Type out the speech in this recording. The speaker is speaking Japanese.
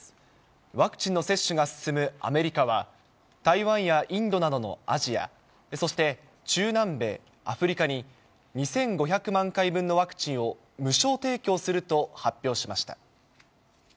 ワクチンの接種が進むアメリカは、台湾やインドなどのアジア、そして中南米、アフリカに、２５００万回分のワクチンを無償提供すると発表しました。